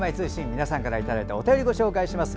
皆さんからいただいたお便りをご紹介します。